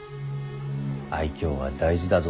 愛嬌は大事だぞ